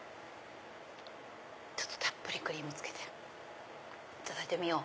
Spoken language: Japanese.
たっぷりクリームつけていただいてみよう。